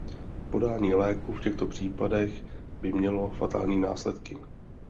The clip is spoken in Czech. Podání léku v těchto případech by mělo fatální následky.